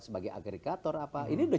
sebagai agregator apa ini